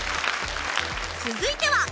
続いては。